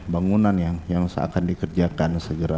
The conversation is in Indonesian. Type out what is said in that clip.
dua belas bangunan yang akan dikerjakan segera